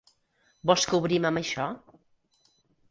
Vols que obrim amb això?